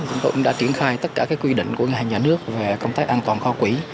cũng đã triển khai tất cả quy định của ngân hàng nhà nước về công tác an toàn kho quỷ